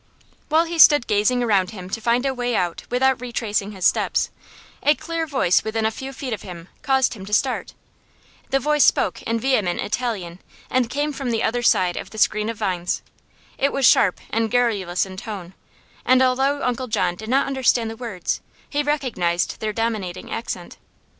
While he stood gazing around him to find a way out without retracing his steps, a clear voice within a few feet of him caused him to start. The voice spoke in vehement Italian, and came from the other side of the screen of vines. It was sharp and garrulous in tone, and although Uncle John did not understand the words he recognized their dominating accent.